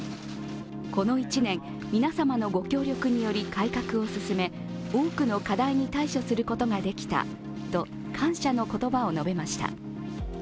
この１年、皆様のご協力により改革を進め、多くの課題に対処することができたと感謝の言葉を述べました。